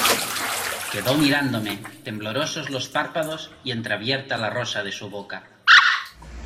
quedó mirándome, temblorosos los párpados y entreabierta la rosa de su boca.